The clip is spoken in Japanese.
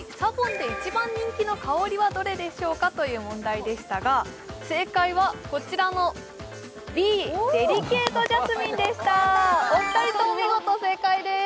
ＳＡＢＯＮで一番人気の香りはどれでしょうか？という問題でしたが正解はこちらのＢデリケート・ジャスミンでしたお二人とも見事正解です